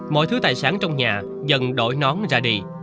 mọi thứ tài sản trong nhà dần đổi nón ra đi